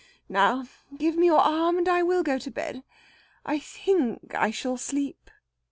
Now give me your arm, and I will go to bed. I think I shall sleep."